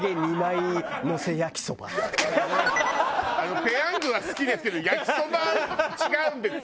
ペヤングは好きですけど焼きそばは違うんですよ！